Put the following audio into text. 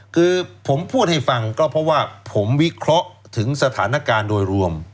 คือผมพูดให้ฟังก็เพราะว่าผมวิเคราะห์ถึงสถานการณ์โดยรวม